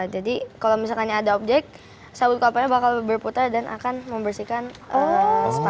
jadi kalau misalkan ada objek sawit kapalnya bakal berputar dan akan membersihkan sepatu